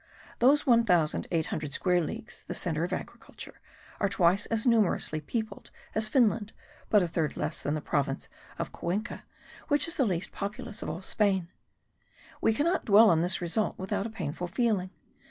Those 1800 square leagues, the centre of agriculture, are twice as numerously peopled as Finland, but still a third less than the province of Cuenca, which is the least populous of all Spain. We cannot dwell on this result without a painful feeling.